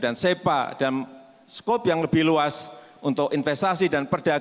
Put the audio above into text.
dan sepa dan skop yang lebih luas untuk investasi dan perdagangan